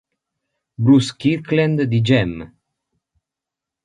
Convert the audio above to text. Bruce Kirkland di Jam!